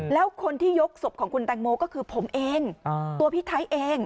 แล้วคนที่ยกศพของคุณแตงโมก็คือผมเองตัวพี่ไทยเอง